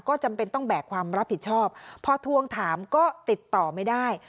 ก็จำเป็นต้องแบกความรับผิดชอบพอทวงถามก็ติดต่อไม่ได้